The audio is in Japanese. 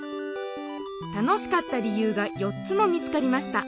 楽しかった理由が４つも見つかりました。